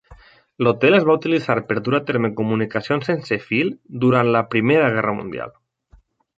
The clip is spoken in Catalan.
L'hotel es va utilitzar per dur a terme comunicacions sense fil durant la Primera Guerra Mundial.